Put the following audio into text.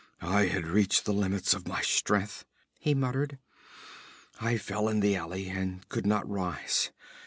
'I had reached the limits of my strength,' he muttered. 'I fell in the alley and could not rise.